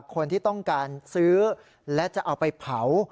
คนที่ต้องการซื้อและจะเอาไปเผา